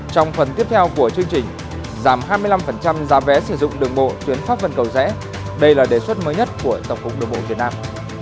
trong phần tiếp theo của chương trình giảm hai mươi năm giá vé sử dụng đường bộ tuyến pháp vân cầu rẽ đây là đề xuất mới nhất của tổng cục đường bộ việt nam